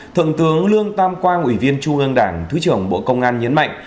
thượng tướng lương tam quang ủy viên trung ương đảng thứ trưởng bộ công an nhấn mạnh